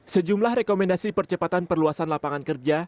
sejumlah rekomendasi percepatan perluasan lapangan kerja